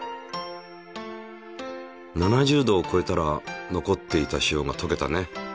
℃をこえたら残っていた塩がとけたね。